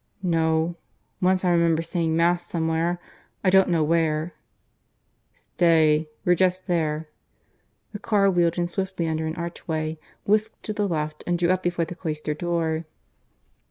"No. Once I remember saying Mass somewhere. I don't know where." "Stay, we're just there." (The car wheeled in swiftly under an archway, whisked to the left, and drew up before the cloister door.)